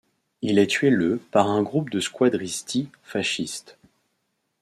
Il est tué le par un groupe de squadristi fascistes.